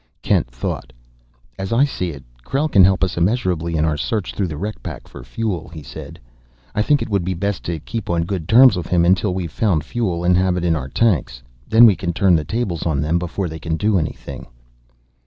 Kent thought. "As I see it, Krell can help us immeasurably in our search through the wreck pack for fuel," he said. "I think it would be best to keep on good terms with him until we've found fuel and have it in our tanks. Then we can turn the tables on them before they can do anything."